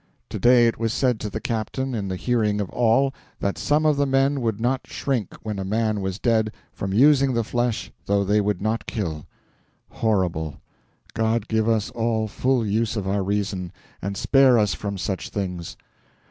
To day it was said to the captain, in the hearing of all, that some of the men would not shrink, when a man was dead, from using the flesh, though they would not kill. Horrible! God give us all full use of our reason, and spare us from such things!